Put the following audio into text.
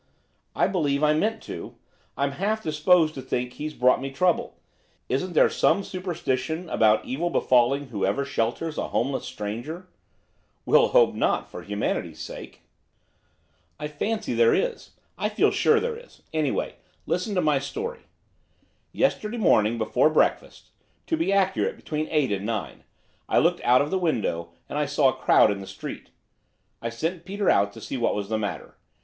'I believe I meant to, I'm half disposed to think he's brought me trouble. Isn't there some superstition about evil befalling whoever shelters a homeless stranger?' 'We'll hope not, for humanity's sake.' 'I fancy there is, I feel sure there is. Anyhow, listen to my story. Yesterday morning, before breakfast, to be accurate, between eight and nine, I looked out of the window, and I saw a crowd in the street. I sent Peter out to see what was the matter.